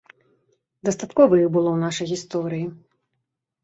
Дастаткова іх было ў нашай гісторыі.